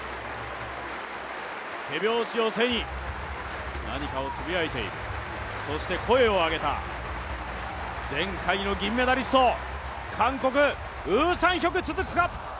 手拍子を背に何かをつぶやいているそして声を上げた、前回の銀メダリスト、韓国、ウ・サンヒョク、続くか。